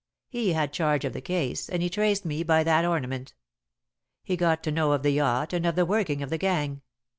He had charge of the case, and he traced me by that ornament. He got to know of the yacht and of the working of the gang.